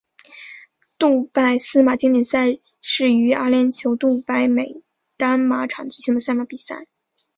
杜拜司马经典赛是于阿联酋杜拜美丹马场举行的赛马比赛。